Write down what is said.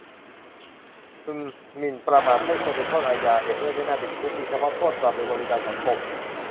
อืม หมิ่นประมาทไม่ควรเป็นโทษอาญา เห็นด้วย ไม่น่าติดคุก มีเฉพาะโทษปรับหรือบริการสังคม